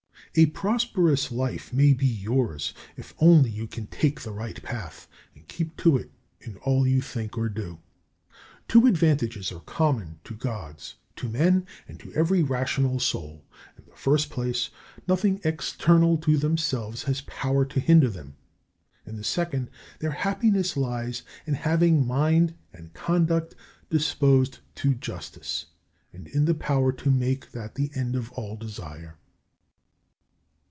34. A prosperous life may be yours if only you can take the right path, and keep to it in all you think or do. Two advantages are common to Gods, to men, and to every rational soul. In the first place, nothing external to themselves has power to hinder them. In the second, their happiness lies in having mind and conduct disposed to justice, and in the power to make that the end of all desire.